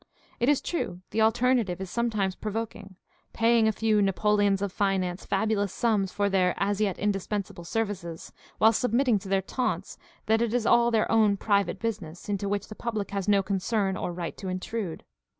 It is true, the alternative is some times provoking — paying a few "Napoleons of finance" fabulous sums for their as yet indispensable services, while submitting to their taunts that it is all their own "pri vate business," into which the public has no concern nor right to intrude.